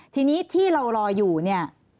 ทีนี้ที่เรารออยู่เนี่ย